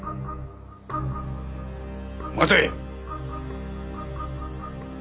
待て！